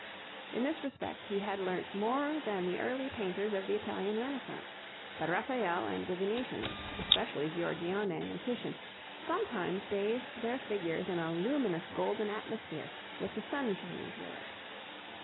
In this respect he had learnt more than the early painters of the Italian Renaissance; but Raphael and the Venetians, especially Giorgione and Titian, sometimes bathed their figures in a luminous golden atmosphere with the sun shining through it.